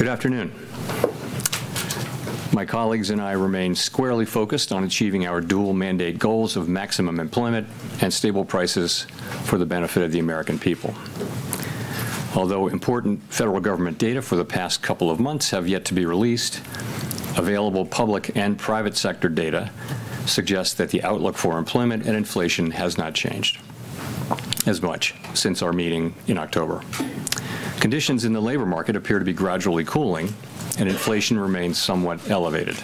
Good afternoon. My colleagues and I remain squarely focused on achieving our dual-mandate goals of maximum employment and stable prices for the benefit of the American people. Although important federal government data for the past couple of months have yet to be released, available public and private sector data suggest that the outlook for employment and inflation has not changed as much since our meeting in October. Conditions in the labor market appear to be gradually cooling, and inflation remains somewhat elevated.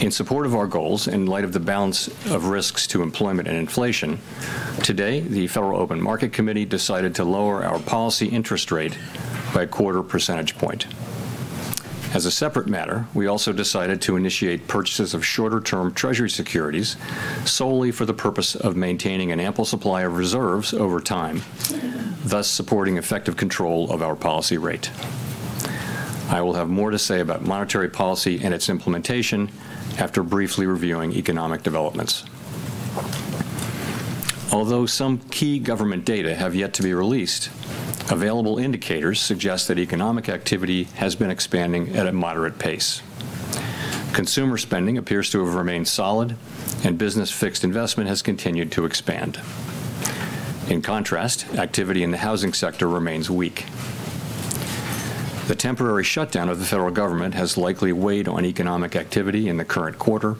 In support of our goals, in light of the balance of risks to employment and inflation, today the Federal Open Market Committee decided to lower our policy interest rate by a quarter percentage point. As a separate matter, we also decided to initiate purchases of shorter-term Treasury securities solely for the purpose of maintaining an ample supply of reserves over time, thus supporting effective control of our policy rate. I will have more to say about monetary policy and its implementation after briefly reviewing economic developments. Although some key government data have yet to be released, available indicators suggest that economic activity has been expanding at a moderate pace. Consumer spending appears to have remained solid, and business fixed investment has continued to expand. In contrast, activity in the housing sector remains weak. The temporary shutdown of the federal government has likely weighed on economic activity in the current quarter,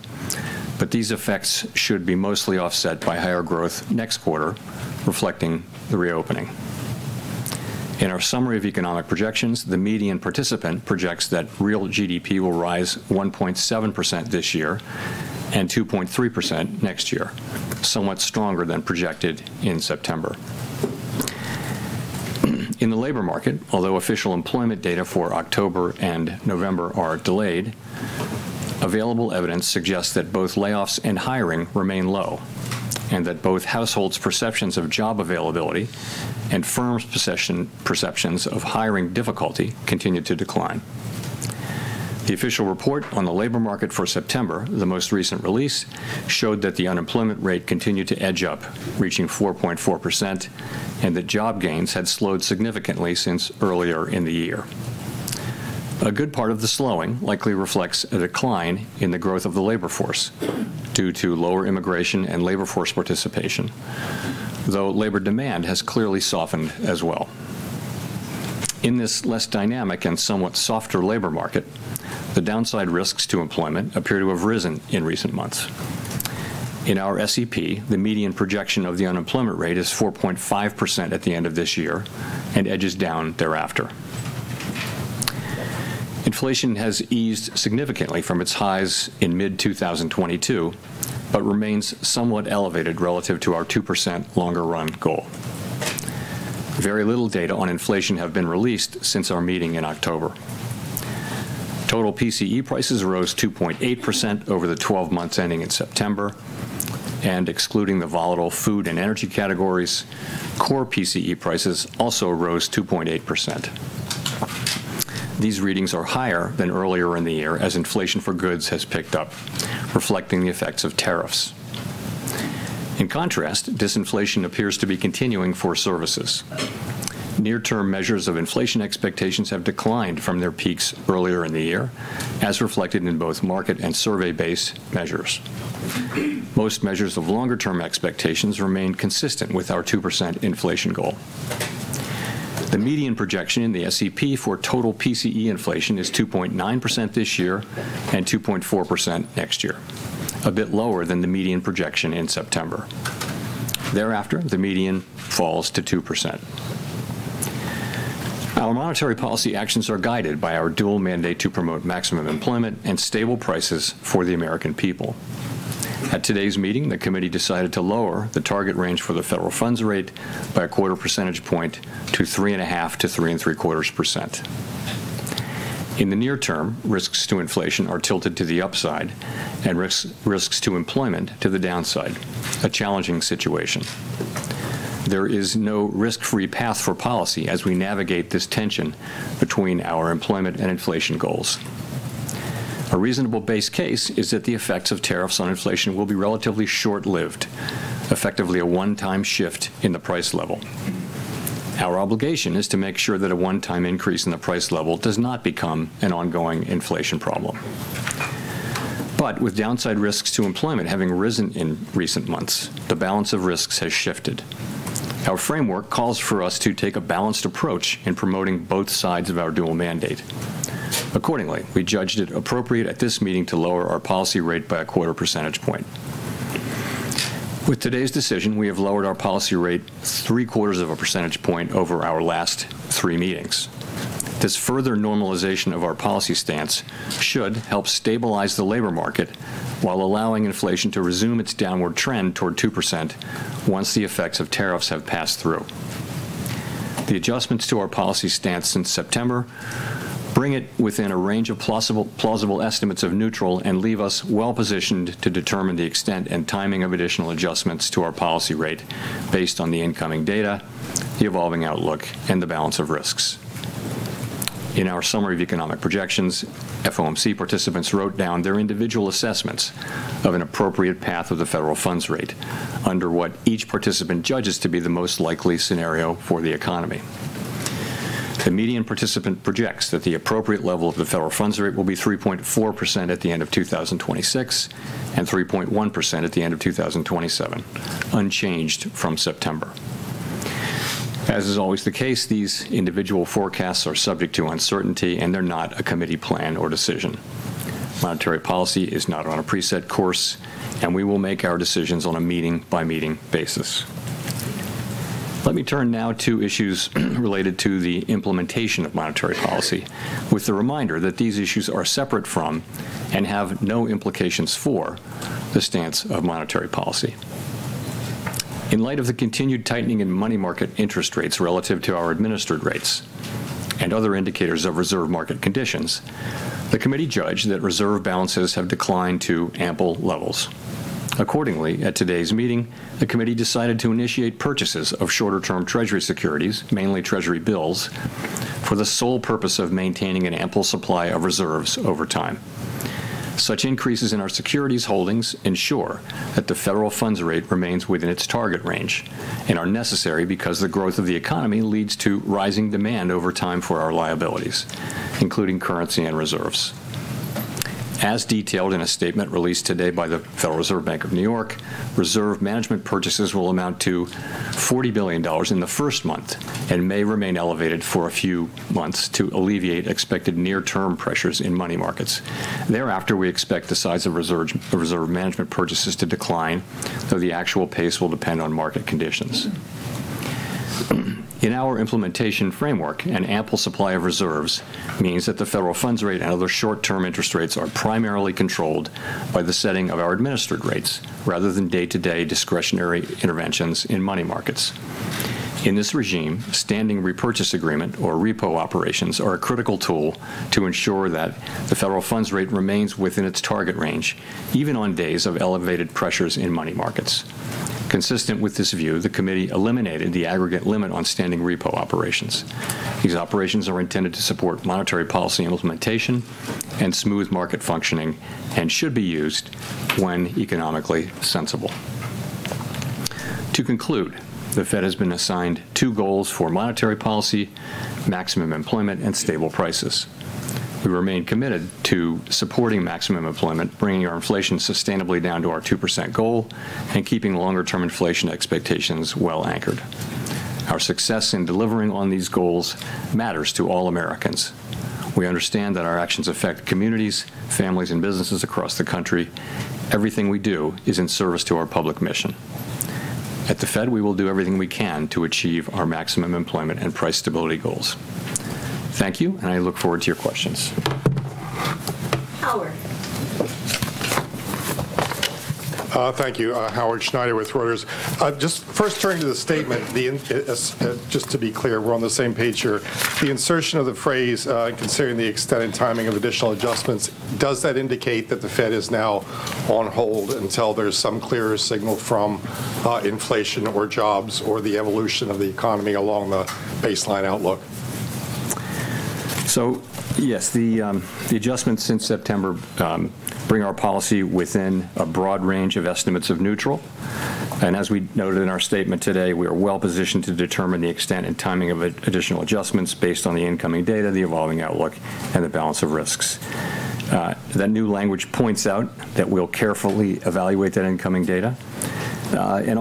but these effects should be mostly offset by higher growth next quarter, reflecting the reopening. In our summary of economic projections, the median participant projects that real GDP will rise 1.7% this year and 2.3% next year, somewhat stronger than projected in September. In the labor market, although official employment data for October and November are delayed, available evidence suggests that both layoffs and hiring remain low, and that both households' perceptions of job availability and firms' perceptions of hiring difficulty continue to decline. The official report on the labor market for September, the most recent release, showed that the unemployment rate continued to edge up, reaching 4.4%, and that job gains had slowed significantly since earlier in the year. A good part of the slowing likely reflects a decline in the growth of the labor force due to lower immigration and labor force participation, though labor demand has clearly softened as well. In this less dynamic and somewhat softer labor market, the downside risks to employment appear to have risen in recent months. In our SEP, the median projection of the unemployment rate is 4.5% at the end of this year and edges down thereafter. Inflation has eased significantly from its highs in mid-2022 but remains somewhat elevated relative to our 2% longer-run goal. Very little data on inflation has been released since our meeting in October. Total PCE prices rose 2.8% over the 12 months ending in September, and excluding the volatile food and energy categories, core PCE prices also rose 2.8%. These readings are higher than earlier in the year as inflation for goods has picked up, reflecting the effects of tariffs. In contrast, disinflation appears to be continuing for services. Near-term measures of inflation expectations have declined from their peaks earlier in the year, as reflected in both market and survey-based measures. Most measures of longer-term expectations remain consistent with our 2% inflation goal. The median projection in the SEP for total PCE inflation is 2.9% this year and 2.4% next year, a bit lower than the median projection in September. Thereafter, the median falls to 2%. Our monetary policy actions are guided by our dual-mandate to promote maximum employment and stable prices for the American people. At today's meeting, the Committee decided to lower the target range for the federal funds rate by a quarter percentage point to 3.5%-3.75%. In the near term, risks to inflation are tilted to the upside, and risks to employment to the downside, a challenging situation. There is no risk-free path for policy as we navigate this tension between our employment and inflation goals. A reasonable base case is that the effects of tariffs on inflation will be relatively short-lived, effectively a one-time shift in the price level. Our obligation is to make sure that a one-time increase in the price level does not become an ongoing inflation problem. But with downside risks to employment having risen in recent months, the balance of risks has shifted. Our framework calls for us to take a balanced approach in promoting both sides of our dual-mandate. Accordingly, we judged it appropriate at this meeting to lower our policy rate by a quarter percentage point. With today's decision, we have lowered our policy rate three-quarters of a percentage point over our last three meetings. This further normalization of our policy stance should help stabilize the labor market while allowing inflation to resume its downward trend toward 2% once the effects of tariffs have passed through. The adjustments to our policy stance since September bring it within a range of plausible estimates of neutral and leave us well-positioned to determine the extent and timing of additional adjustments to our policy rate based on the incoming data, the evolving outlook, and the balance of risks. In our Summary of Economic Projections, FOMC participants wrote down their individual assessments of an appropriate path of the federal funds rate under what each participant judges to be the most likely scenario for the economy. The median participant projects that the appropriate level of the federal funds rate will be 3.4% at the end of 2026 and 3.1% at the end of 2027, unchanged from September. As is always the case, these individual forecasts are subject to uncertainty, and they're not a Committee plan or decision. Monetary policy is not on a preset course, and we will make our decisions on a meeting-by-meeting basis. Let me turn now to issues related to the implementation of monetary policy, with the reminder that these issues are separate from and have no implications for the stance of monetary policy. In light of the continued tightening in money market interest rates relative to our administered rates and other indicators of reserve market conditions, the Committee judged that reserve balances have declined to ample levels. Accordingly, at today's meeting, the Committee decided to initiate purchases of shorter-term Treasury securities, mainly Treasury bills, for the sole purpose of maintaining an ample supply of reserves over time. Such increases in our securities holdings ensure that the federal funds rate remains within its target range and are necessary because the growth of the economy leads to rising demand over time for our liabilities, including currency and reserves. As detailed in a statement released today by the Federal Reserve Bank of New York, reserve management purchases will amount to $40 billion in the first month and may remain elevated for a few months to alleviate expected near-term pressures in money markets. Thereafter, we expect the size of reserve management purchases to decline, though the actual pace will depend on market conditions. In our implementation framework, an ample supply of reserves means that the federal funds rate and other short-term interest rates are primarily controlled by the setting of our administered rates rather than day-to-day discretionary interventions in money markets. In this regime, standing repurchase agreements, or repo, operations are a critical tool to ensure that the federal funds rate remains within its target range even on days of elevated pressures in money markets. Consistent with this view, the Committee eliminated the aggregate limit on standing repo operations. These operations are intended to support monetary policy implementation and smooth market functioning and should be used when economically sensible. To conclude, the Fed has been assigned two goals for monetary policy: maximum employment and stable prices. We remain committed to supporting maximum employment, bringing our inflation sustainably down to our 2% goal, and keeping longer-term inflation expectations well anchored. Our success in delivering on these goals matters to all Americans. We understand that our actions affect communities, families, and businesses across the country. Everything we do is in service to our public mission. At the Fed, we will do everything we can to achieve our maximum employment and price stability goals. Thank you, and I look forward to your questions. Howard. Thank you. Howard Schneider with Reuters. Just first, turning to the statement, just to be clear, we're on the same page here. The insertion of the phrase "considering the extent and timing of additional adjustments," does that indicate that the Fed is now on hold until there's some clearer signal from inflation or jobs or the evolution of the economy along the baseline outlook? Yes, the adjustments since September bring our policy within a broad range of estimates of neutral. As we noted in our statement today, we are well-positioned to determine the extent and timing of additional adjustments based on the incoming data, the evolving outlook, and the balance of risks. That new language points out that we'll carefully evaluate that incoming data.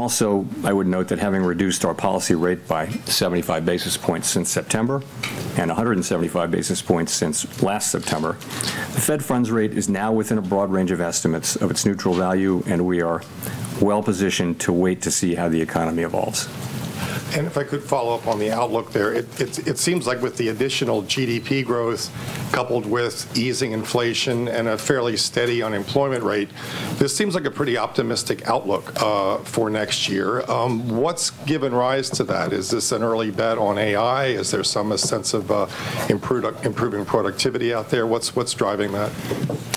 Also, I would note that having reduced our policy rate by 75 basis points since September and 175 basis points since last September, the Fed funds rate is now within a broad range of estimates of its neutral value, and we are well-positioned to wait to see how the economy evolves. If I could follow up on the outlook there, it seems like with the additional GDP growth coupled with easing inflation and a fairly steady unemployment rate, this seems like a pretty optimistic outlook for next year. What's given rise to that? Is this an early bet on AI? Is there some sense of improving productivity out there? What's driving that?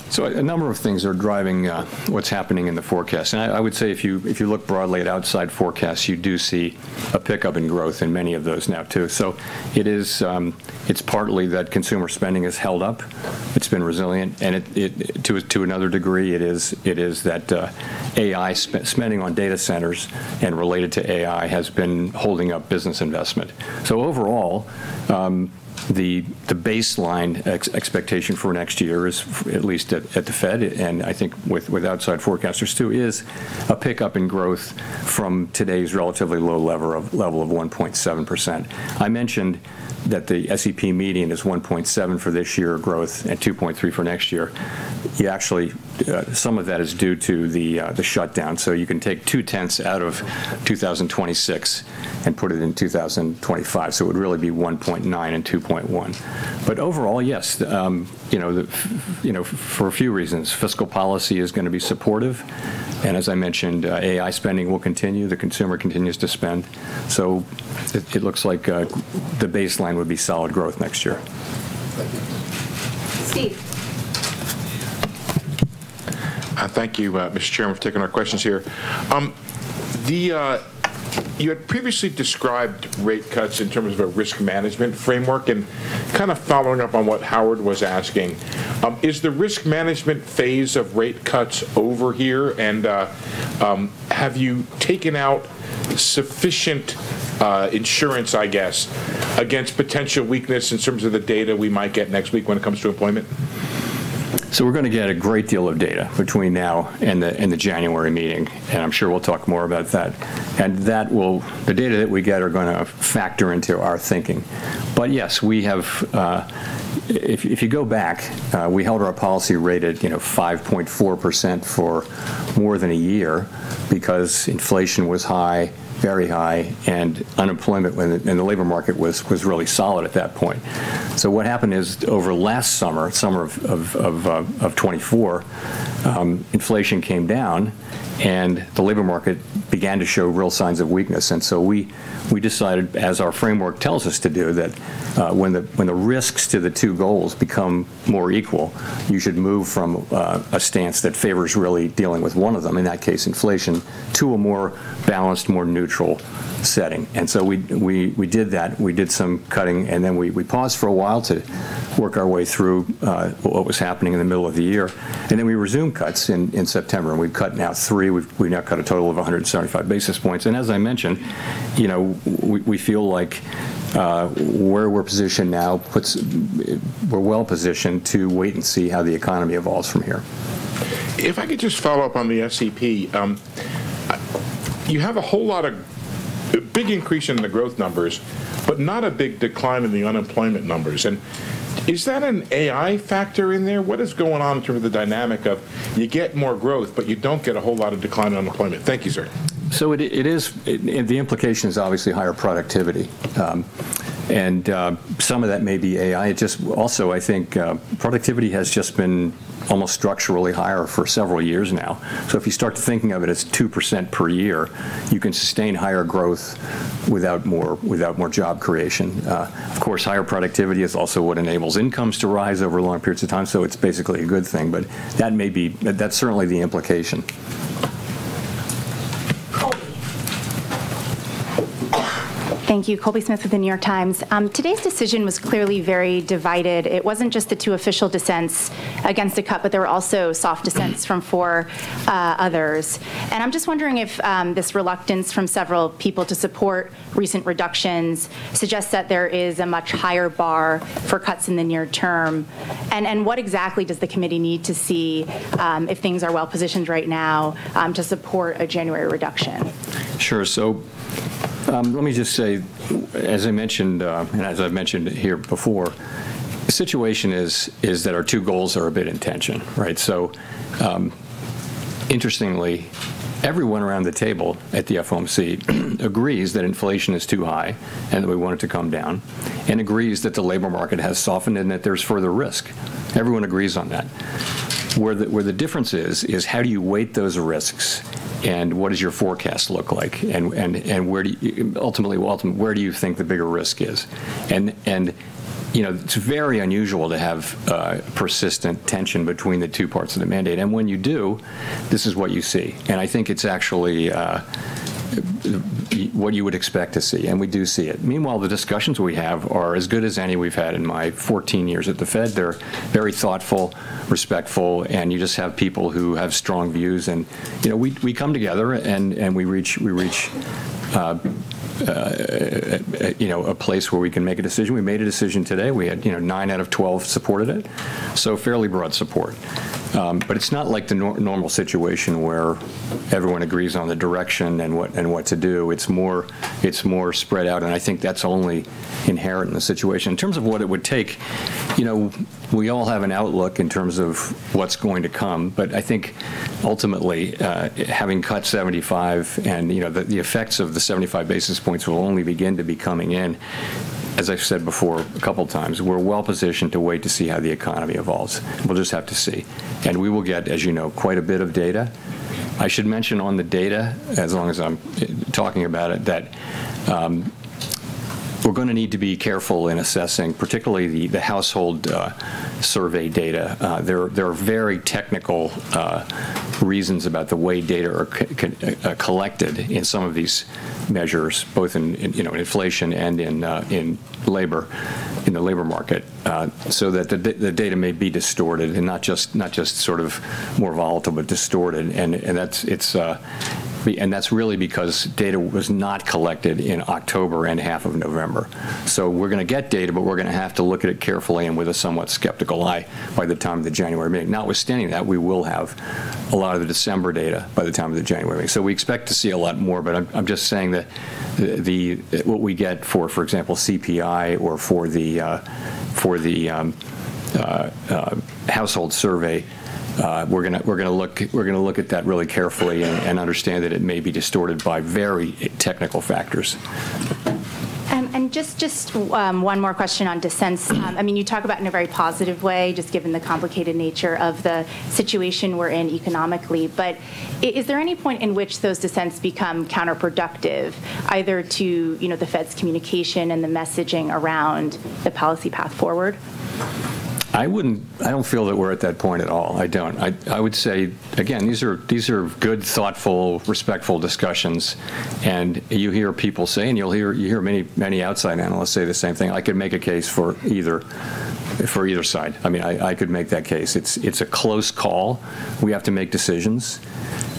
So, a number of things are driving what's happening in the forecast. And I would say if you look broadly at outside forecasts, you do see a pickup in growth in many of those now, too. So, it's partly that consumer spending has held up. It's been resilient. And to another degree, it is that AI spending on data centers and related to AI has been holding up business investment. So, overall, the baseline expectation for next year, at least at the Fed and I think with outside forecasters, too, is a pickup in growth from today's relatively low level of 1.7%. I mentioned that the SEP median is 1.7 for this year of growth and 2.3 for next year. Actually, some of that is due to the shutdown. So, you can take two-tenths out of 2026 and put it in 2025. So, it would really be 1.9 and 2.1. But overall, yes, for a few reasons. Fiscal policy is going to be supportive. And as I mentioned, AI spending will continue. The consumer continues to spend. So, it looks like the baseline would be solid growth next year. Thank you. Thank you, Mr. Chairman, for taking our questions here. You had previously described rate cuts in terms of a risk management framework and, kind of following up on what Howard was asking, is the risk management phase of rate cuts over here, and have you taken out sufficient insurance, I guess, against potential weakness in terms of the data we might get next week when it comes to employment? So, we're going to get a great deal of data between now and the January meeting, and I'm sure we'll talk more about that. And the data that we get are going to factor into our thinking. But yes, if you go back, we held our policy rate at 5.4% for more than a year because inflation was high, very high, and unemployment in the labor market was really solid at that point. So, what happened is over last summer, summer of 2024, inflation came down, and the labor market began to show real signs of weakness. And so we decided, as our framework tells us to do, that when the risks to the two goals become more equal, you should move from a stance that favors really dealing with one of them, in that case inflation, to a more balanced, more neutral setting. And so we did that. We did some cutting, and then we paused for a while to work our way through what was happening in the middle of the year. And then we resumed cuts in September, and we've cut now three. We've now cut a total of 175 basis points. And as I mentioned, we feel like where we're positioned now, we're well-positioned to wait and see how the economy evolves from here. If I could just follow up on the SEP, you have a whole lot of big increase in the growth numbers, but not a big decline in the unemployment numbers, and is that an AI factor in there? What is going on in terms of the dynamic of you get more growth, but you don't get a whole lot of decline in unemployment? Thank you, sir. So, the implication is obviously higher productivity. And some of that may be AI. Also, I think productivity has just been almost structurally higher for several years now. So, if you start thinking of it as 2% per year, you can sustain higher growth without more job creation. Of course, higher productivity is also what enables incomes to rise over long periods of time, so it's basically a good thing. But that may be, that's certainly the implication. Colby. Thank you. Colby Smith with The New York Times. Today's decision was clearly very divided. It wasn't just the two official dissents against the cut, but there were also soft dissents from four others. And I'm just wondering if this reluctance from several people to support recent reductions suggests that there is a much higher bar for cuts in the near term. And what exactly does the Committee need to see if things are well-positioned right now to support a January reduction? Sure. So, let me just say, as I mentioned and as I've mentioned here before, the situation is that our two goals are a bit in tension. So, interestingly, everyone around the table at the FOMC agrees that inflation is too high and that we want it to come down, and agrees that the labor market has softened and that there's further risk. Everyone agrees on that. Where the difference is, is how do you weight those risks and what does your forecast look like? And ultimately, where do you think the bigger risk is? And it's very unusual to have persistent tension between the two parts of the mandate. And when you do, this is what you see. And I think it's actually what you would expect to see. And we do see it. Meanwhile, the discussions we have are as good as any we've had in my 14 years at the Fed. They're very thoughtful, respectful, and you just have people who have strong views, and we come together and we reach a place where we can make a decision. We made a decision today, we had 9 out of 12 supported it, so fairly broad support, but it's not like the normal situation where everyone agrees on the direction and what to do, it's more spread out, and I think that's only inherent in the situation. In terms of what it would take, we all have an outlook in terms of what's going to come, but I think ultimately, having cut 75 and the effects of the 75 basis points will only begin to be coming in, as I've said before a couple of times. We're well-positioned to wait to see how the economy evolves. We'll just have to see. And we will get, as you know, quite a bit of data. I should mention on the data, as long as I'm talking about it, that we're going to need to be careful in assessing, particularly the household survey data. There are very technical reasons about the way data are collected in some of these measures, both in inflation and in labor, in the labor market, so that the data may be distorted and not just sort of more volatile, but distorted. And that's really because data was not collected in October and half of November. So, we're going to get data, but we're going to have to look at it carefully and with a somewhat skeptical eye by the time of the January meeting. Notwithstanding that, we will have a lot of the December data by the time of the January meeting. So, we expect to see a lot more. But I'm just saying that what we get for, for example, CPI or for the household survey, we're going to look at that really carefully and understand that it may be distorted by very technical factors. And just one more question on dissents. I mean, you talk about it in a very positive way, just given the complicated nature of the situation we're in economically. But is there any point in which those dissents become counterproductive, either to the Fed's communication and the messaging around the policy path forward? I don't feel that we're at that point at all. I don't. I would say, again, these are good, thoughtful, respectful discussions, and you hear people say, and you hear many outside analysts say the same thing. I could make a case for either side. I mean, I could make that case. It's a close call. We have to make decisions,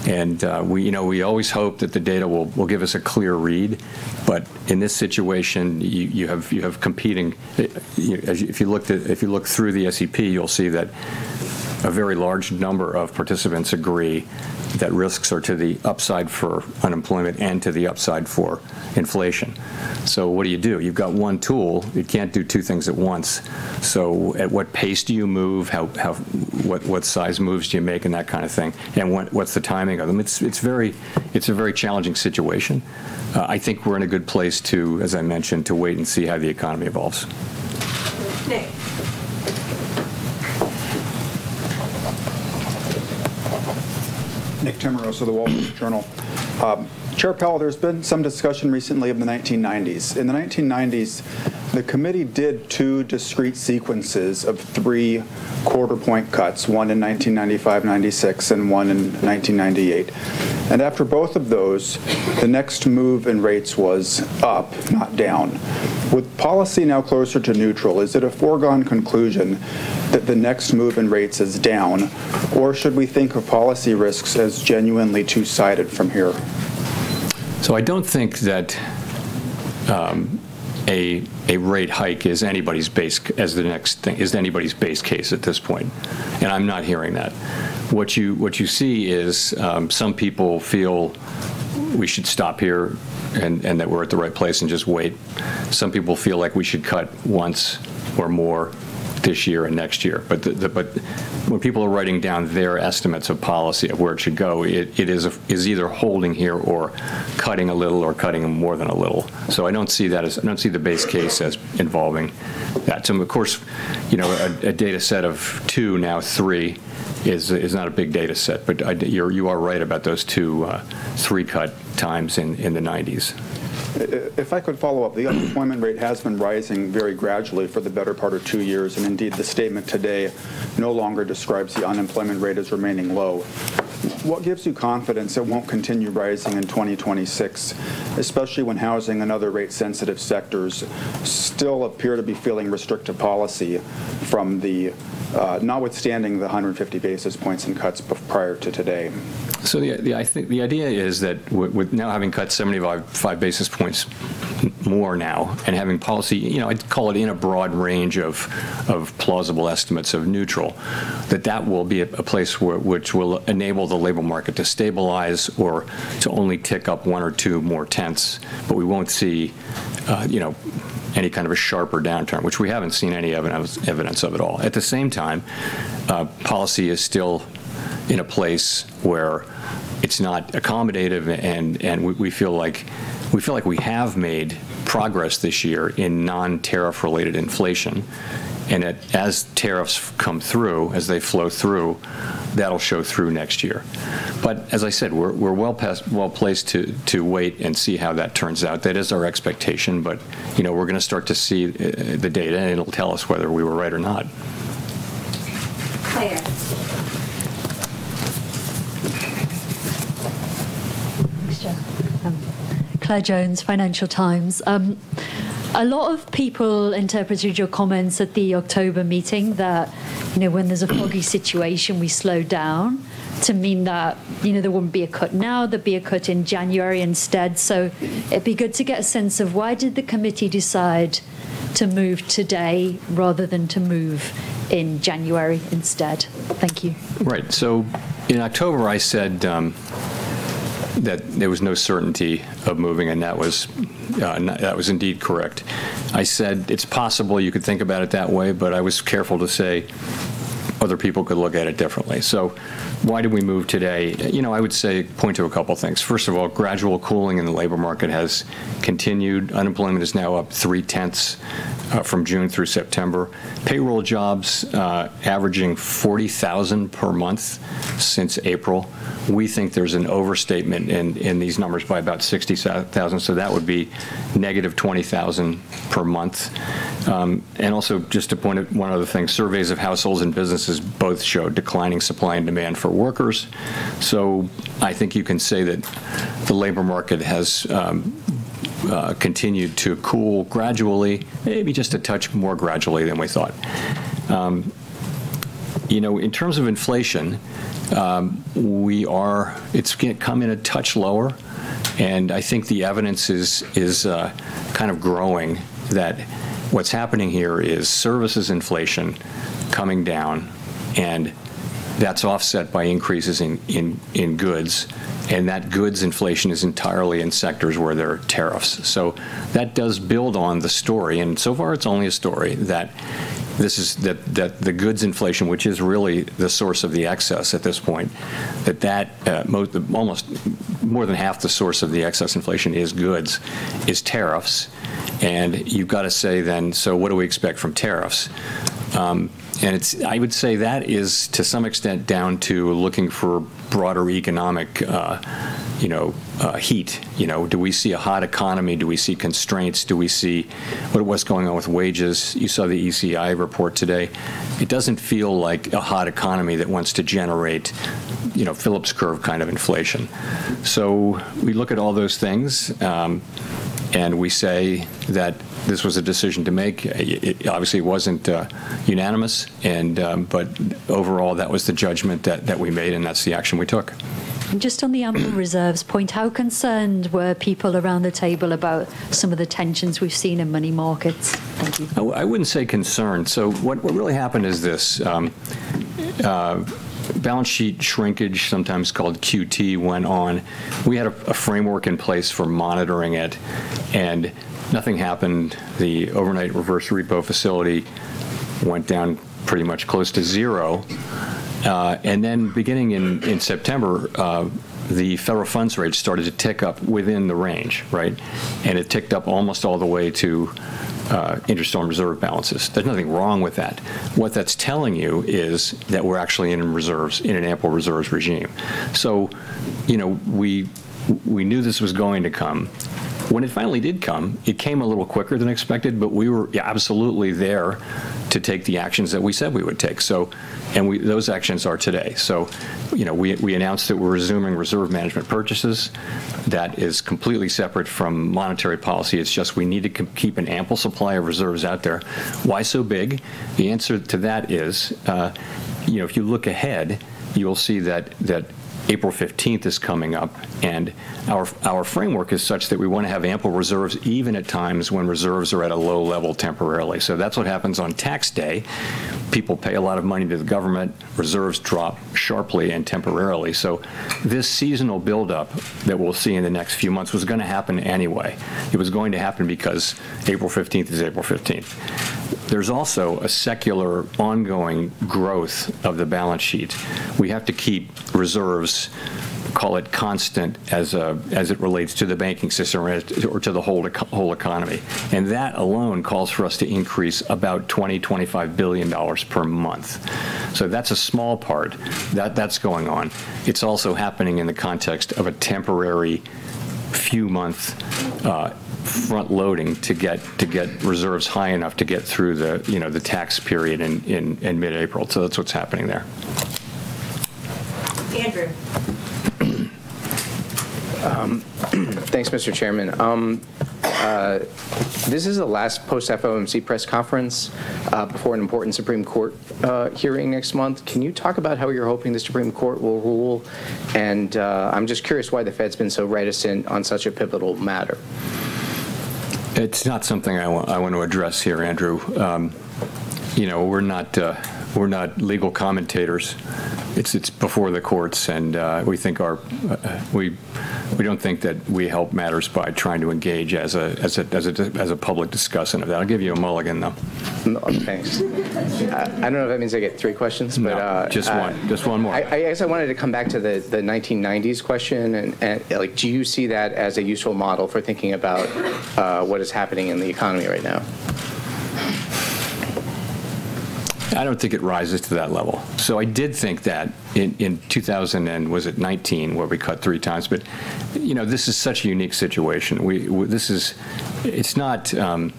and we always hope that the data will give us a clear read, but in this situation, you have competing, if you look through the SEP, you'll see that a very large number of participants agree that risks are to the upside for unemployment and to the upside for inflation, so what do you do? You've got one tool. You can't do two things at once, so at what pace do you move? What size moves do you make, and that kind of thing. What's the timing of them? It's a very challenging situation. I think we're in a good place to, as I mentioned, to wait and see how the economy evolves. Nick. Nick Timiraos of The Wall Street Journal. Chair Powell, there's been some discussion recently of the 1990s. In the 1990s, the Committee did two discrete sequences of three quarter-point cuts, one in 1995-96 and one in 1998. And after both of those, the next move in rates was up, not down. With policy now closer to neutral, is it a foregone conclusion that the next move in rates is down, or should we think of policy risks as genuinely two-sided from here? I don't think that a rate hike is anybody's base case at this point. I'm not hearing that. What you see is some people feel we should stop here and that we're at the right place and just wait. Some people feel like we should cut once or more this year and next year. When people are writing down their estimates of policy of where it should go, it is either holding here or cutting a little or cutting more than a little. I don't see that. I don't see the base case as involving that. Of course, a data set of two, now three, is not a big data set. You are right about those three cut times in the 1990s. If I could follow up, the unemployment rate has been rising very gradually for the better part of two years. And indeed, the statement today no longer describes the unemployment rate as remaining low. What gives you confidence it won't continue rising in 2026, especially when housing and other rate-sensitive sectors still appear to be feeling restrictive policy, notwithstanding the 150 basis points in cuts prior to today? So, the idea is that with now having cut 75 basis points more now and having policy, I'd call it in a broad range of plausible estimates of neutral, that that will be a place which will enable the labor market to stabilize or to only tick up one or two more tenths. But we won't see any kind of a sharper downturn, which we haven't seen any evidence of at all. At the same time, policy is still in a place where it's not accommodative. And we feel like we have made progress this year in non-tariff-related inflation. And as tariffs come through, as they flow through, that'll show through next year. But as I said, we're well-placed to wait and see how that turns out. That is our expectation. But we're going to start to see the data, and it'll tell us whether we were right or not. Claire. Claire Jones, Financial Times. A lot of people interpreted your comments at the October meeting that when there's a foggy situation, we slow down, to mean that there wouldn't be a cut now, there'd be a cut in January instead. So, it'd be good to get a sense of why did the Committee decide to move today rather than to move in January instead? Thank you. Right. So, in October, I said that there was no certainty of moving, and that was indeed correct. I said it's possible you could think about it that way, but I was careful to say other people could look at it differently. So, why did we move today? I would say point to a couple of things. First of all, gradual cooling in the labor market has continued. Unemployment is now up three tenths from June through September. Payroll jobs averaging 40,000 per month since April. We think there's an overstatement in these numbers by about 60,000. So, that would be negative 20,000 per month. And also, just to point at one other thing, surveys of households and businesses both showed declining supply and demand for workers. So, I think you can say that the labor market has continued to cool gradually, maybe just a touch more gradually than we thought. In terms of inflation, it's come in a touch lower. And I think the evidence is kind of growing that what's happening here is services inflation coming down, and that's offset by increases in goods. And that goods inflation is entirely in sectors where there are tariffs. So, that does build on the story. And so far, it's only a story that the goods inflation, which is really the source of the excess at this point, that almost more than half the source of the excess inflation is goods, is tariffs. And you've got to say then, so what do we expect from tariffs? And I would say that is, to some extent, down to looking for broader economic heat. Do we see a hot economy? Do we see constraints? What's going on with wages? You saw the ECI report today. It doesn't feel like a hot economy that wants to generate Phillips curve kind of inflation. So, we look at all those things, and we say that this was a decision to make. Obviously, it wasn't unanimous. But overall, that was the judgment that we made, and that's the action we took. Just on the ample reserves point, how concerned were people around the table about some of the tensions we've seen in money markets? Thank you. I wouldn't say concerned. So, what really happened is this: balance sheet shrinkage, sometimes called QT, went on. We had a framework in place for monitoring it, and nothing happened. The overnight reverse repo facility went down pretty much close to zero. And then, beginning in September, the federal funds rate started to tick up within the range. And it ticked up almost all the way to interest on reserve balances. There's nothing wrong with that. What that's telling you is that we're actually in an ample reserves regime. So, we knew this was going to come. When it finally did come, it came a little quicker than expected, but we were absolutely there to take the actions that we said we would take. And those actions are today. So, we announced that we're resuming reserve management purchases. That is completely separate from monetary policy. It's just, we need to keep an ample supply of reserves out there. Why so big? The answer to that is, if you look ahead, you will see that April 15th is coming up, and our framework is such that we want to have ample reserves even at times when reserves are at a low level temporarily, so that's what happens on Tax Day. People pay a lot of money to the government. Reserves drop sharply and temporarily, so this seasonal buildup that we'll see in the next few months was going to happen anyway. It was going to happen because April 15th is April 15th. There's also a secular ongoing growth of the balance sheet. We have to keep reserves, call it constant, as it relates to the banking system or to the whole economy, and that alone calls for us to increase about $20-$25 billion per month. So, that's a small part. That's going on. It's also happening in the context of a temporary few-month front-loading to get reserves high enough to get through the tax period in mid-April. So, that's what's happening there. Andrew. Thanks, Mr. Chairman. This is the last post-FOMC press conference before an important Supreme Court hearing next month. Can you talk about how you're hoping the Supreme Court will rule? And I'm just curious why the Fed's been so reticent on such a pivotal matter. It's not something I want to address here, Andrew. We're not legal commentators. It's before the courts. And we don't think that we help matters by trying to engage as a public discussant. I'll give you a mulligan, though. Thanks. I don't know if that means I get three questions, but. Just one. Just one more. I guess I wanted to come back to the 1990s question. And do you see that as a useful model for thinking about what is happening in the economy right now? I don't think it rises to that level, so I did think that in 2000 and was it 2019 where we cut three times, but this is such a unique situation. It's not the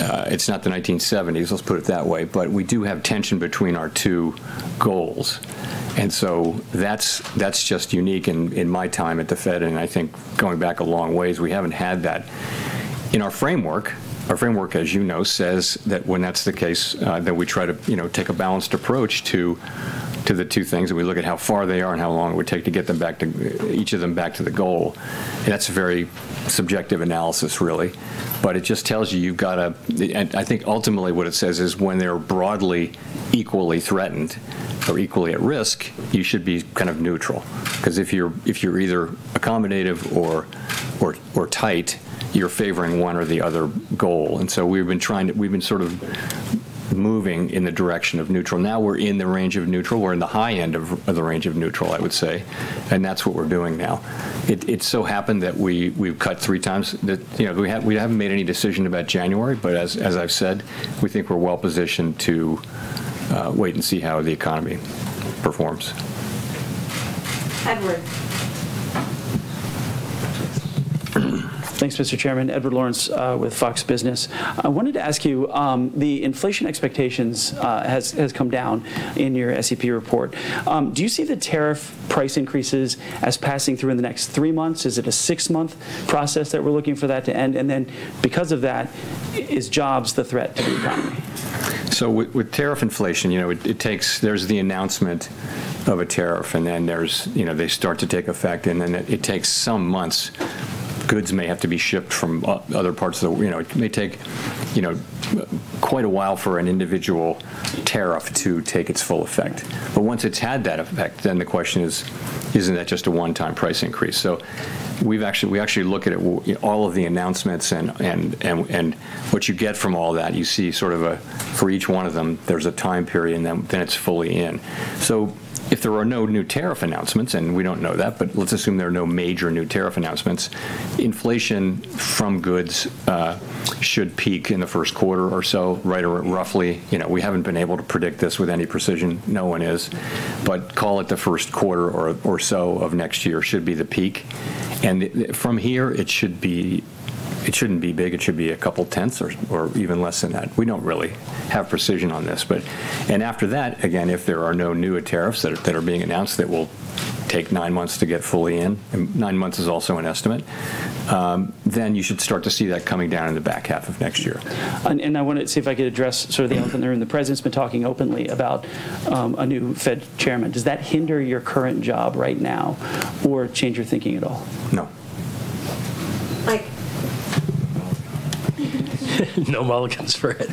1970s, let's put it that way, but we do have tension between our two goals, and so that's just unique in my time at the Fed, and I think going back a long ways, we haven't had that. In our framework, our framework, as you know, says that when that's the case, that we try to take a balanced approach to the two things, and we look at how far they are and how long it would take to get each of them back to the goal, and that's a very subjective analysis, really. But it just tells you you've got to, I think ultimately what it says is when they're broadly equally threatened or equally at risk, you should be kind of neutral. Because if you're either accommodative or tight, you're favoring one or the other goal, and so, we've been sort of moving in the direction of neutral. Now we're in the range of neutral. We're in the high end of the range of neutral, I would say, and that's what we're doing now. It's so happened that we've cut three times. We haven't made any decision about January, but as I've said, we think we're well-positioned to wait and see how the economy performs. Edward. Thanks, Mr. Chairman. Edward Lawrence with Fox Business. I wanted to ask you, the inflation expectations has come down in your SEP report. Do you see the tariff price increases as passing through in the next three months? Is it a six-month process that we're looking for that to end? And then, because of that, is jobs the threat to the economy? So, with tariff inflation, there's the announcement of a tariff, and then they start to take effect. And then it takes some months. Goods may have to be shipped from other parts of the world. It may take quite a while for an individual tariff to take its full effect. But once it's had that effect, then the question is, isn't that just a one-time price increase? So, we actually look at all of the announcements. And what you get from all that, you see sort of for each one of them, there's a time period, and then it's fully in. So, if there are no new tariff announcements, and we don't know that, but let's assume there are no major new tariff announcements, inflation from goods should peak in the first quarter or so, right, or roughly. We haven't been able to predict this with any precision. No one is, but call it the first quarter or so of next year should be the peak and from here, it shouldn't be big. It should be a couple tenths or even less than that. We don't really have precision on this and after that, again, if there are no new tariffs that are being announced that will take nine months to get fully in, nine months is also an estimate, then you should start to see that coming down in the back half of next year. I want to see if I could address sort of the element there in the President's been talking openly about a new Fed chairman. Does that hinder your current job right now or change your thinking at all? No. Mike. No mulligans for it.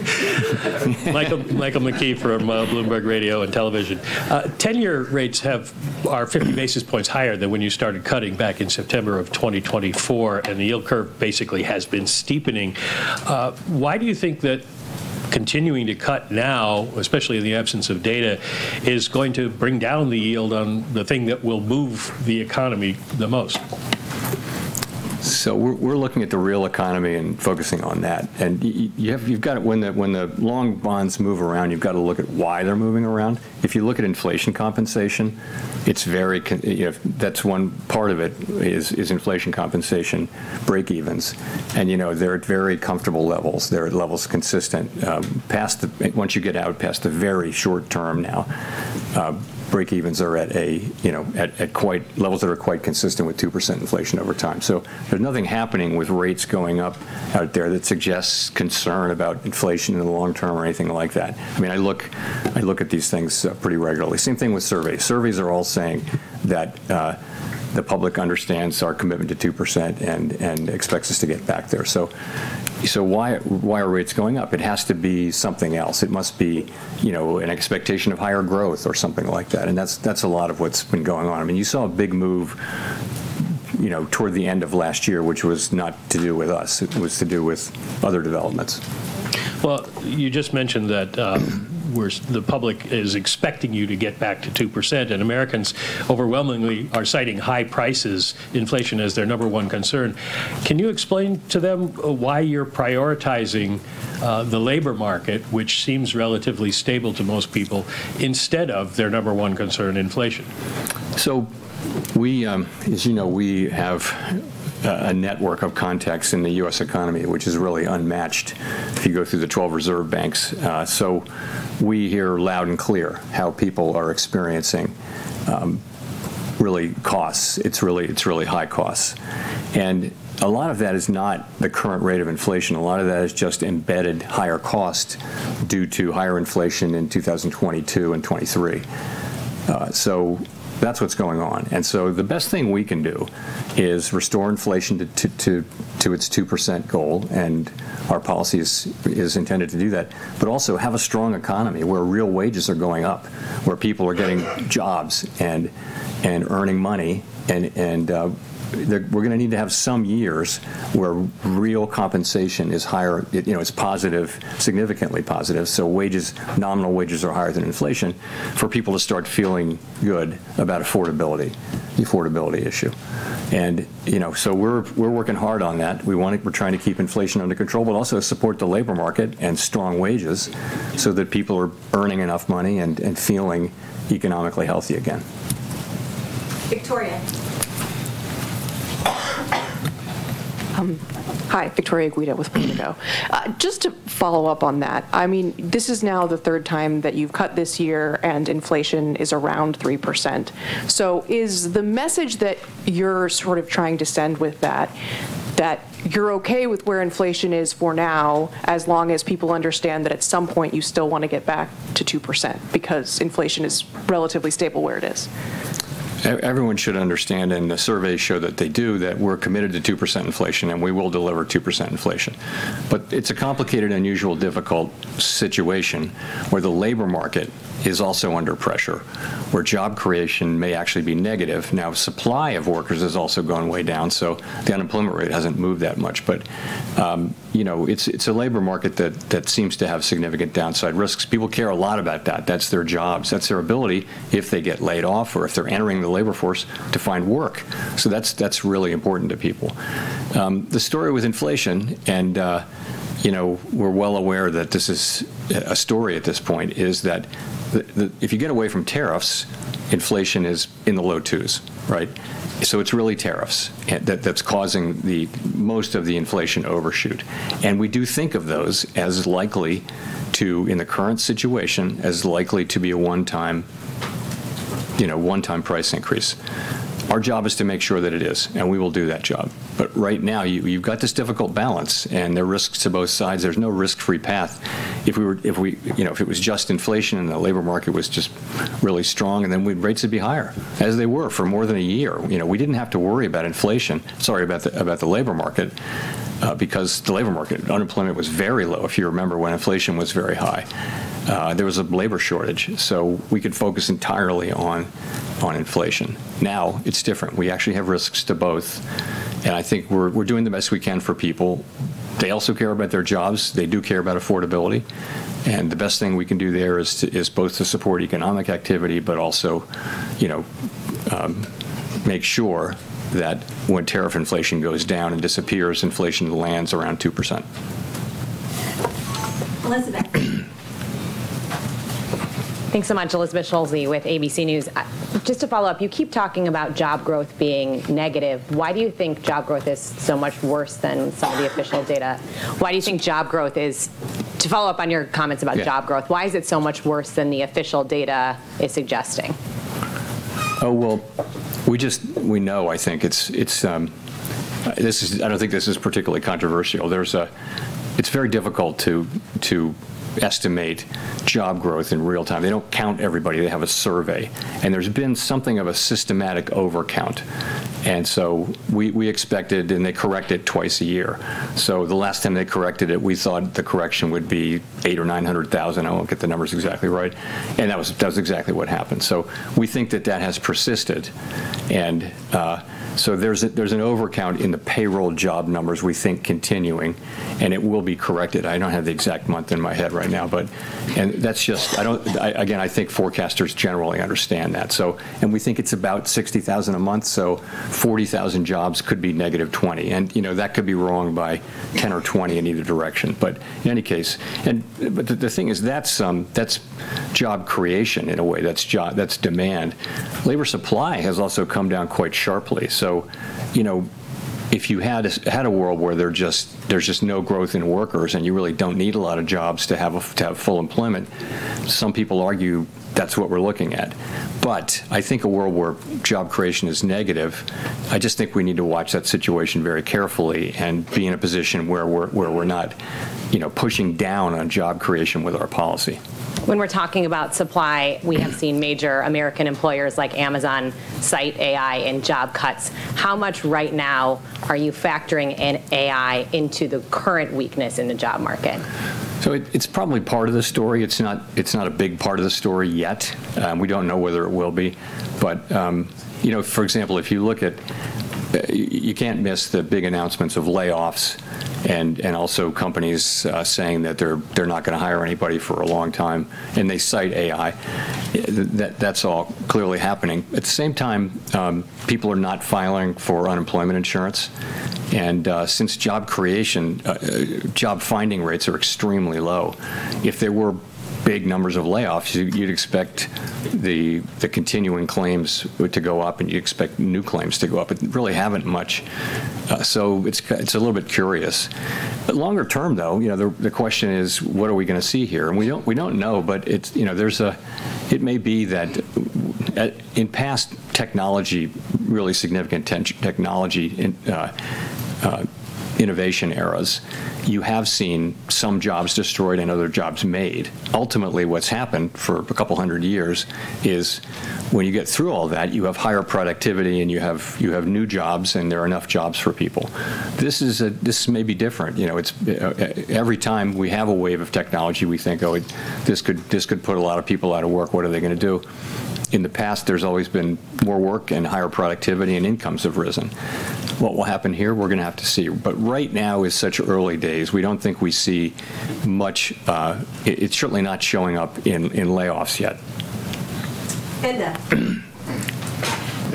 Michael McKee from Bloomberg Radio and Television. 10-year rates are 50 basis points higher than when you started cutting back in September of 2024. And the yield curve basically has been steepening. Why do you think that continuing to cut now, especially in the absence of data, is going to bring down the yield on the thing that will move the economy the most? So, we're looking at the real economy and focusing on that. And you've got to, when the long bonds move around, you've got to look at why they're moving around. If you look at inflation compensation, that's one part of it is inflation compensation, breakevens. And they're at very comfortable levels. They're at levels consistent once you get out past the very short term now. Breakevens are at levels that are quite consistent with 2% inflation over time. So, there's nothing happening with rates going up out there that suggests concern about inflation in the long term or anything like that. I mean, I look at these things pretty regularly. Same thing with surveys. Surveys are all saying that the public understands our commitment to 2% and expects us to get back there. So, why are rates going up? It has to be something else. It must be an expectation of higher growth or something like that. And that's a lot of what's been going on. I mean, you saw a big move toward the end of last year, which was not to do with us. It was to do with other developments. You just mentioned that the public is expecting you to get back to 2%, and Americans overwhelmingly are citing high prices, inflation as their number one concern. Can you explain to them why you're prioritizing the labor market, which seems relatively stable to most people, instead of their number one concern, inflation? So, as you know, we have a network of contacts in the U.S. economy, which is really unmatched if you go through the 12 Reserve Banks. So, we hear loud and clear how people are experiencing real costs. It's really high costs. And a lot of that is not the current rate of inflation. A lot of that is just embedded higher cost due to higher inflation in 2022 and 2023. So, that's what's going on. And so, the best thing we can do is restore inflation to its 2% goal. And our policy is intended to do that. But also, have a strong economy where real wages are going up, where people are getting jobs and earning money. And we're going to need to have some years where real compensation is higher. It's positive, significantly positive. So, nominal wages are higher than inflation for people to start feeling good about affordability, the affordability issue. And so, we're working hard on that. We're trying to keep inflation under control, but also support the labor market and strong wages so that people are earning enough money and feeling economically healthy again. Victoria. Hi, Victoria Guida with Politico. Just to follow up on that, I mean, this is now the third time that you've cut this year, and inflation is around 3%. So, is the message that you're sort of trying to send with that, that you're okay with where inflation is for now as long as people understand that at some point you still want to get back to 2% because inflation is relatively stable where it is? Everyone should understand, and the surveys show that they do, that we're committed to 2% inflation, and we will deliver 2% inflation. But it's a complicated, unusual, difficult situation where the labor market is also under pressure, where job creation may actually be negative. Now, supply of workers has also gone way down. So, the unemployment rate hasn't moved that much. But it's a labor market that seems to have significant downside risks. People care a lot about that. That's their jobs. That's their ability if they get laid off or if they're entering the labor force to find work. So, that's really important to people. The story with inflation, and we're well aware that this is a story at this point, is that if you get away from tariffs, inflation is in the low twos. So, it's really tariffs that's causing most of the inflation overshoot. And we do think of those as likely to, in the current situation, as likely to be a one-time price increase. Our job is to make sure that it is. And we will do that job. But right now, you've got this difficult balance. And there are risks to both sides. There's no risk-free path. If it was just inflation and the labor market was just really strong, then rates would be higher, as they were for more than a year. We didn't have to worry about inflation, sorry, about the labor market, because the labor market, unemployment was very low, if you remember, when inflation was very high. There was a labor shortage. So, we could focus entirely on inflation. Now, it's different. We actually have risks to both. And I think we're doing the best we can for people. They also care about their jobs. They do care about affordability. And the best thing we can do there is both to support economic activity, but also make sure that when tariff inflation goes down and disappears, inflation lands around 2%. Elizabeth. Thanks so much, Elizabeth Schulze with ABC News. Just to follow up, you keep talking about job growth being negative. Why do you think job growth is so much worse than some of the official data? Why do you think job growth is, to follow up on your comments about job growth, why is it so much worse than the official data is suggesting? Oh, well, we know, I think. I don't think this is particularly controversial. It's very difficult to estimate job growth in real time. They don't count everybody. They have a survey, and there's been something of a systematic overcount, and so we expected, and they correct it twice a year, so the last time they corrected it, we thought the correction would be 800 or 900 thousand. I won't get the numbers exactly right, and that's exactly what happened, so we think that that has persisted, and so there's an overcount in the payroll job numbers, we think, continuing, and it will be corrected. I don't have the exact month in my head right now, but again I think forecasters generally understand that, so and we think it's about 60,000 a month, so 40,000 jobs could be negative 20. And that could be wrong by 10 or 20 in either direction. But in any case, and the thing is, that's job creation in a way. That's demand. Labor supply has also come down quite sharply. So, if you had a world where there's just no growth in workers and you really don't need a lot of jobs to have full employment, some people argue that's what we're looking at. But I think a world where job creation is negative. I just think we need to watch that situation very carefully and be in a position where we're not pushing down on job creation with our policy. When we're talking about supply, we have seen major American employers like Amazon cite AI in job cuts. How much right now are you factoring in AI into the current weakness in the job market? So, it's probably part of the story. It's not a big part of the story yet. We don't know whether it will be. But for example, if you look at, you can't miss the big announcements of layoffs and also companies saying that they're not going to hire anybody for a long time. And they cite AI. That's all clearly happening. At the same time, people are not filing for unemployment insurance. And since job creation, job finding rates are extremely low, if there were big numbers of layoffs, you'd expect the continuing claims to go up, and you'd expect new claims to go up. It really hasn't much. So, it's a little bit curious. But longer term, though, the question is, what are we going to see here? And we don't know. But it may be that in past technology, really significant technology innovation eras, you have seen some jobs destroyed and other jobs made. Ultimately, what's happened for a couple hundred years is when you get through all that, you have higher productivity, and you have new jobs, and there are enough jobs for people. This may be different. Every time we have a wave of technology, we think, oh, this could put a lot of people out of work. What are they going to do? In the past, there's always been more work, and higher productivity, and incomes have risen. What will happen here, we're going to have to see. But right now is such early days. We don't think we see much. It's certainly not showing up in layoffs yet. Enda.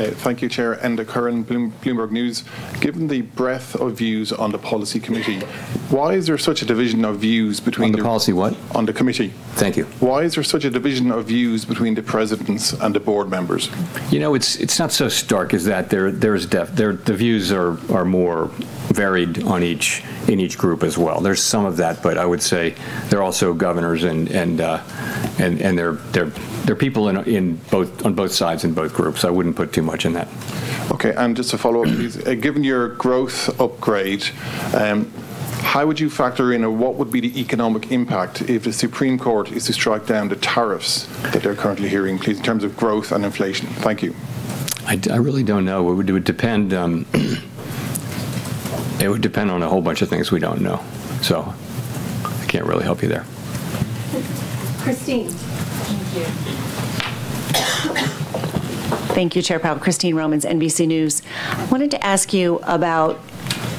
Thank you, Chair. Enda Curran, Bloomberg News. Given the breadth of views on the policy committee, why is there such a division of views between the? On the policy, what? On the committee. Thank you. Why is there such a division of views between the Presidents and the Board members? You know, it's not so stark as that. The views are more varied in each group as well. There's some of that. But I would say there are also governors, and there are people on both sides in both groups. I wouldn't put too much in that. Okay. And just to follow up, please, given your growth upgrade, how would you factor in or what would be the economic impact if the Supreme Court is to strike down the tariffs that they're currently hearing, please, in terms of growth and inflation? Thank you. I really don't know. It would depend on a whole bunch of things we don't know. So, I can't really help you there. Christine. Thank you. Thank you, Chair Powell. Christine Romans, NBC News. I wanted to ask you about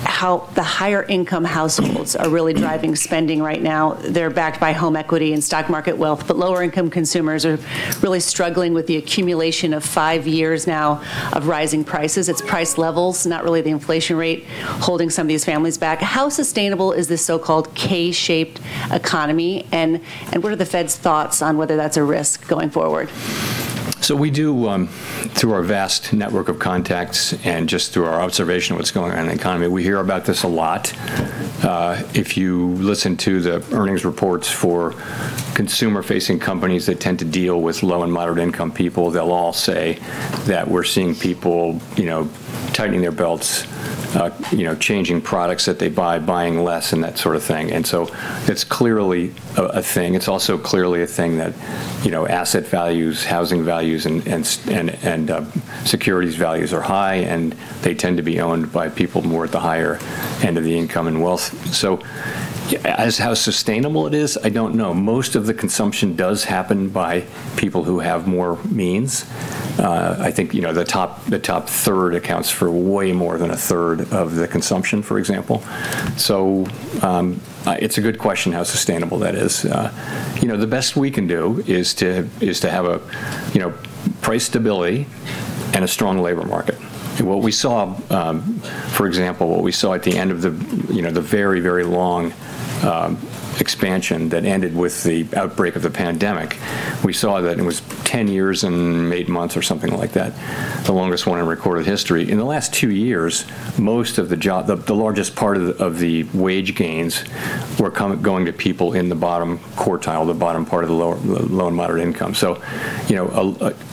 how the higher-income households are really driving spending right now. They're backed by home equity and stock market wealth. But lower-income consumers are really struggling with the accumulation of five years now of rising prices. It's price levels, not really the inflation rate, holding some of these families back. How sustainable is this so-called K-shaped economy? And what are the Fed's thoughts on whether that's a risk going forward? So, we do, through our vast network of contacts and just through our observation of what's going on in the economy, we hear about this a lot. If you listen to the earnings reports for consumer-facing companies that tend to deal with low and moderate-income people, they'll all say that we're seeing people tightening their belts, changing products that they buy, buying less, and that sort of thing. And so, it's clearly a thing. It's also clearly a thing that asset values, housing values, and securities values are high, and they tend to be owned by people more at the higher end of the income and wealth. So, as how sustainable it is, I don't know. Most of the consumption does happen by people who have more means. I think the top third accounts for way more than a third of the consumption, for example. It's a good question how sustainable that is. The best we can do is to have price stability and a strong labor market. What we saw, for example, what we saw at the end of the very, very long expansion that ended with the outbreak of the pandemic, we saw that it was 10 years and eight months or something like that, the longest one in recorded history. In the last two years, most of the largest part of the wage gains were going to people in the bottom quartile, the bottom part of the low and moderate-income.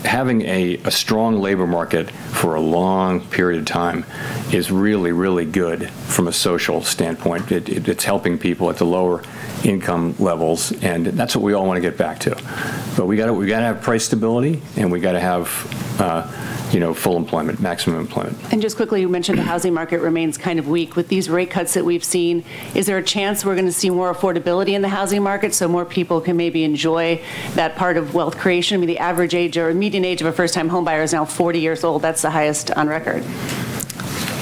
Having a strong labor market for a long period of time is really, really good from a social standpoint. It's helping people at the lower-income levels. That's what we all want to get back to. But we've got to have price stability, and we've got to have full employment, maximum employment. And just quickly, you mentioned the housing market remains kind of weak. With these rate cuts that we've seen, is there a chance we're going to see more affordability in the housing market so more people can maybe enjoy that part of wealth creation? I mean, the average age or median age of a first-time homebuyer is now 40 years old. That's the highest on record.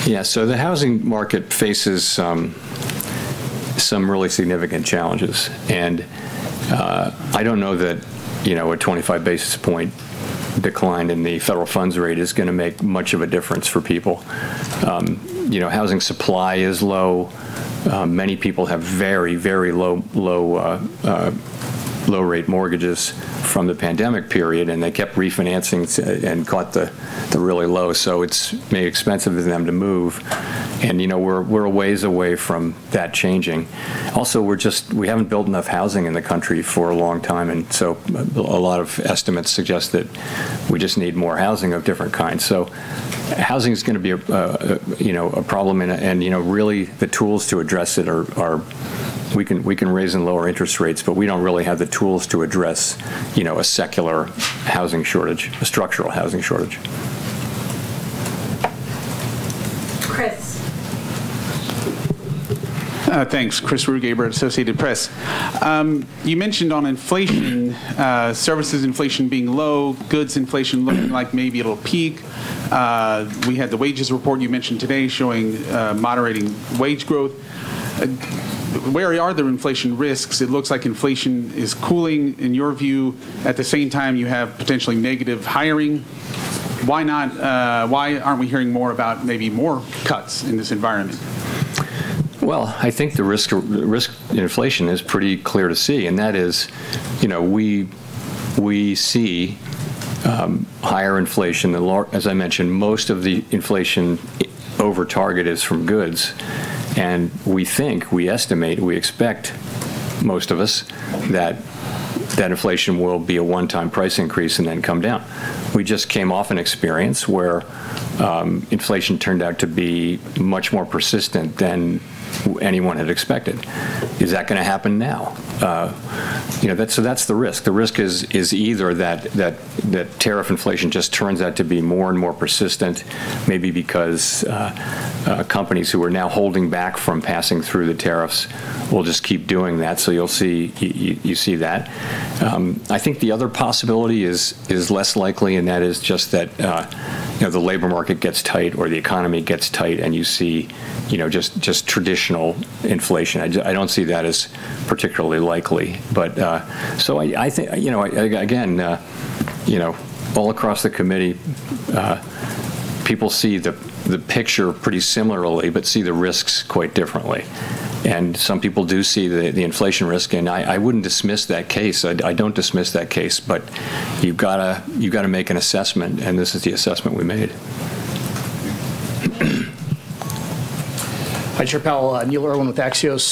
Yeah, so the housing market faces some really significant challenges, and I don't know that a 25 basis point decline in the federal funds rate is going to make much of a difference for people. Housing supply is low. Many people have very, very low-rate mortgages from the pandemic period, and they kept refinancing and caught the really low, so it's made expensive for them to move, and we're a ways away from that changing. Also, we haven't built enough housing in the country for a long time, and so, a lot of estimates suggest that we just need more housing of different kinds, so housing is going to be a problem, and really, the tools to address it are we can raise and lower interest rates, but we don't really have the tools to address a secular housing shortage, a structural housing shortage. Chris. Thanks. Chris Rugaber, Associated Press. You mentioned on inflation, services inflation being low, goods inflation looking like maybe it'll peak. We had the wages report you mentioned today showing moderating wage growth. Where are the inflation risks? It looks like inflation is cooling, in your view. At the same time, you have potentially negative hiring. Why aren't we hearing more about maybe more cuts in this environment? Well, I think the risk in inflation is pretty clear to see. And that is, we see higher inflation. As I mentioned, most of the inflation over target is from goods. And w I don't see that as particularly likely. But so, I think, again, all across the committee, people see the picture pretty similarly but see the risks quite differently. And some people do see the inflation risk. And I wouldn't dismiss that case. I don't dismiss that case. But you've got to make an assessment. And this is the assessment we made. Hi, Chair Powell. Neil Irwin with Axios.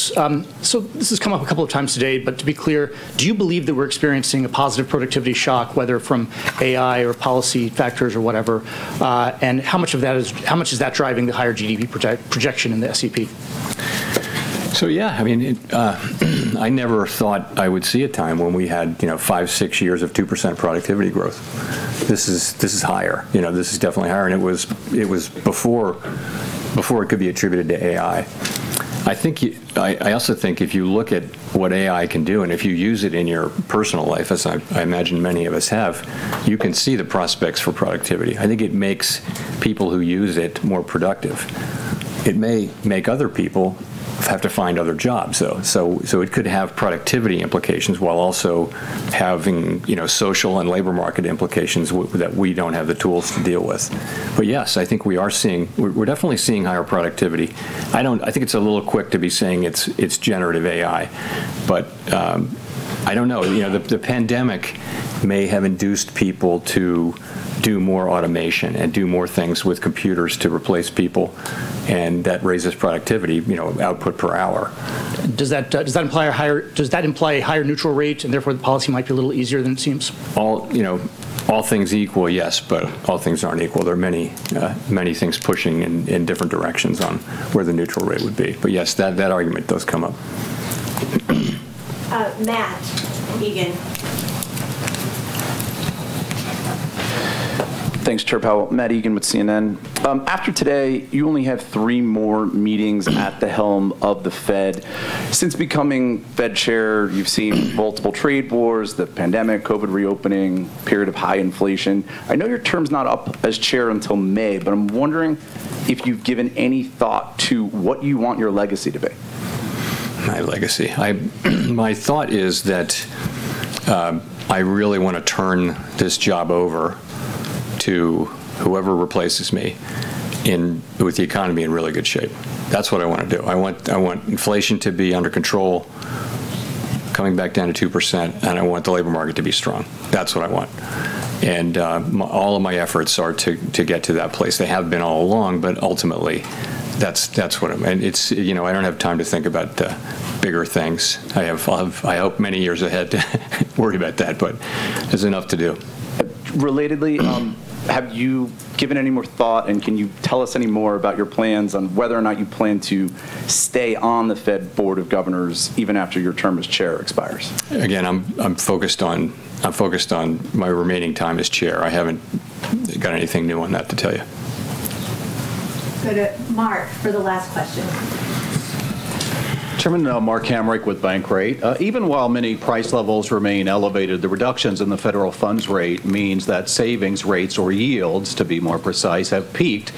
So, this has come up a couple of times today. But to be clear, do you believe that we're experiencing a positive productivity shock, whether from AI or policy factors or whatever? And how much of that is driving the higher GDP projection in the SEP? So, yeah. I mean, I never thought I would see a time when we had five, six years of 2% productivity growth. This is higher. This is definitely higher. And it was before it could be attributed to AI. I also think if you look at what AI can do, and if you use it in your personal life, as I imagine many of us have, you can see the prospects for productivity. I think it makes people who use it more productive. It may make other people have to find other jobs, though. So, it could have productivity implications while also having social and labor market implications that we don't have the tools to deal with. But yes, I think we're definitely seeing higher productivity. I think it's a little quick to be saying it's generative AI. But I don't know. The pandemic may have induced people to do more automation and do more things with computers to replace people, and that raises productivity, output per hour. Does that imply a higher neutral rate, and therefore the policy might be a little easier than it seems? All things equal, yes. But all things aren't equal. There are many, many things pushing in different directions on where the neutral rate would be. But yes, that argument does come up. Matt Egan. Thanks, Chair Powell. Matt Egan with CNN. After today, you only have three more meetings at the helm of the Fed. Since becoming Fed Chair, you've seen multiple trade wars, the pandemic, COVID reopening, period of high inflation. I know your term's not up as Chair until May, but I'm wondering if you've given any thought to what you want your legacy to be? My legacy? My thought is that I really want to turn this job over to whoever replaces me with the economy in really good shape. That's what I want to do. I want inflation to be under control, coming back down to 2%, and I want the labor market to be strong. That's what I want, and all of my efforts are to get to that place. They have been all along, but ultimately, that's what I'm after and I don't have time to think about the bigger things. I have many years ahead to worry about that, but there's enough to do. Relatedly, have you given any more thought, and can you tell us any more about your plans on whether or not you plan to stay on the Fed Board of Governors even after your term as Chair expires? Again, I'm focused on my remaining time as Chair. I haven't got anything new on that to tell you. Mark, for the last question. Chairman, Mark Hamrick with Bankrate. Even while many price levels remain elevated, the reductions in the federal funds rate means that savings rates, or yields, to be more precise, have peaked,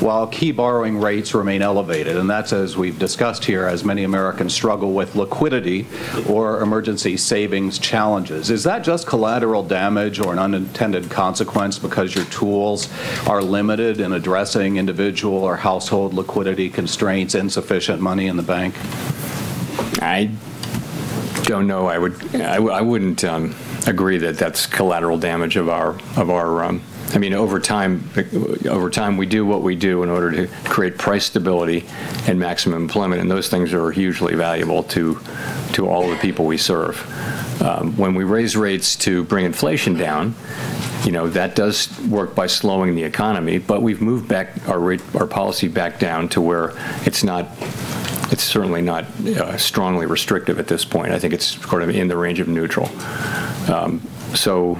while key borrowing rates remain elevated. And that's, as we've discussed here, as many Americans struggle with liquidity or emergency savings challenges. Is that just collateral damage or an unintended consequence because your tools are limited in addressing individual or household liquidity constraints, insufficient money in the bank? I don't know. I wouldn't agree that that's collateral damage of our, I mean, over time, we do what we do in order to create price stability and maximum employment, and those things are hugely valuable to all of the people we serve. When we raise rates to bring inflation down, that does work by slowing the economy, but we've moved our policy back down to where it's certainly not strongly restrictive at this point. I think it's sort of in the range of neutral, so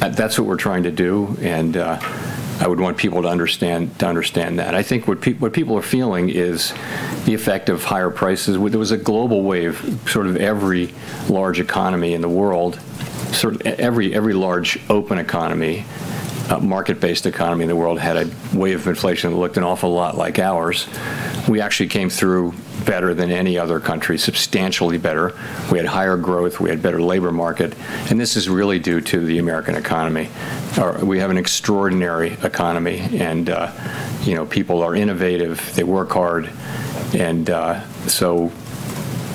that's what we're trying to do, and I would want people to understand that. I think what people are feeling is the effect of higher prices. There was a global wave, sort of, every large economy in the world, every large open economy, market-based economy in the world had a wave of inflation that looked an awful lot like ours. We actually came through better than any other country, substantially better. We had higher growth. We had a better labor market. And this is really due to the American economy. We have an extraordinary economy. And people are innovative. They work hard. And so,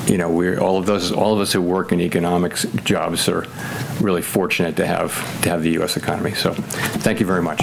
all of us who work in economics jobs are really fortunate to have the U.S. economy. So, thank you very much.